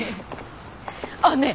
あっねえ